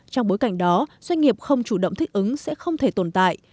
trong bối cảnh đó doanh nghiệp không chủ động thích ứng sẽ không thể tồn tại